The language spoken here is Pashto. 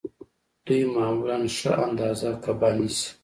دوی معمولاً ښه اندازه کبان نیسي